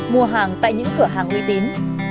mua hàng tại những cửa hàng uy tín